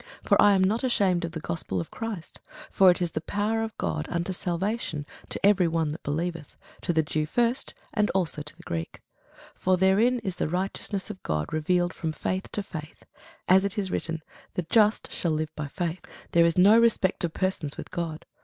For I am not ashamed of the gospel of Christ: for it is the power of God unto salvation to every one that believeth; to the Jew first, and also to the Greek. For therein is the righteousness of God revealed from faith to faith: as it is written, The just shall live by faith. There is no respect of persons with God.